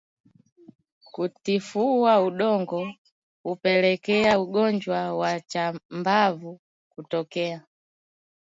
Kutifua udongo hupelekea ugonjwa wa chambavu kutokea